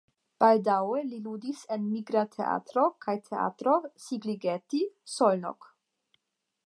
Baldaŭe li ludis en migra teatro kaj Teatro Szigligeti (Szolnok).